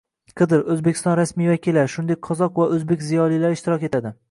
Qidir, Oʻzbekiston rasmiy vakillari, shuningdek, qozoq va oʻzbek ziyolilari ishtirok etdi.